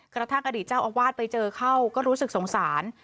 กระทั่งอดีตเจ้าอาวาสไปเจอเข้าก็รู้สึกสงสาร